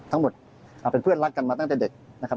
ทั้งหมดเป็นเพื่อนรักกันมาตั้งแต่เด็กนะครับ